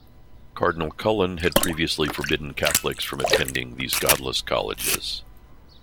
Cardinal Cullen had previously forbidden Catholics from attending these "godless colleges".